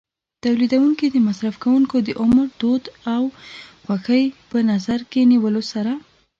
تولیدوونکي د مصرف کوونکو د عمر، دود او خوښۍ په نظر کې نیولو سره.